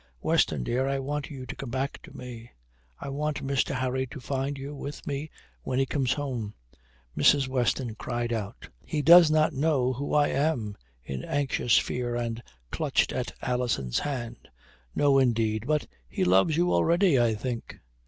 "Weston, dear, I want you to come back to me. I want Mr. Harry to find you with me when he comes home." Mrs. Weston cried out, "He does not know who I am!" in anxious fear, and clutched at Alison's hand. "No, indeed. But he loves you already, I think."